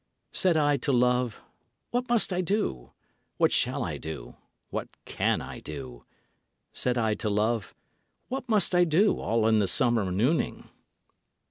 Said I to Love: "What must I do? What shall I do? what can I do?" Said I to Love: "What must I do, All in the summer nooning?"